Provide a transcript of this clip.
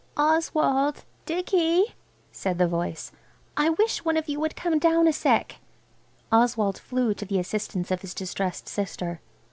"Oswald! Dicky!" said the voice, "I wish one of you would come down a sec." Oswald flew to the assistance of his distressed sister.